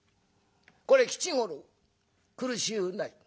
これ吉五郎苦しゅうない。